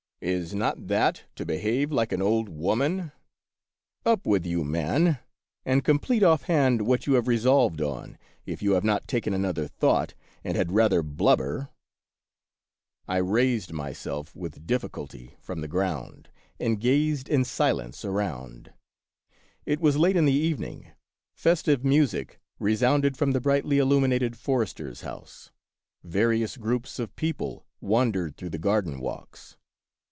" Is not that to behave like an old woman ? Up with you, man, and complete offhand what you have resolved on, if you have not taken another thought, and had rather blubber !" I raised myself with difficulty from the ground and gazed in silence around. It was late in the evening; festive music resounded from the of Peter Schlemihl, 79 brightly illuminated forester's house ; various groups of people wandered through the garden walks.